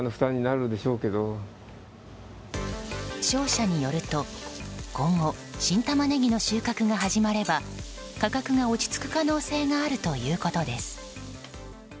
商社によると、今後新タマネギの収穫が始まれば価格が落ち着く可能性があるということです。